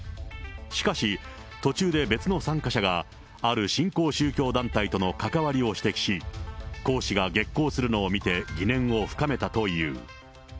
しかし、途中で別の参加者が、ある新興宗教団体との関わりを指摘し、講師が激高するのを見て、疑念を深めたという。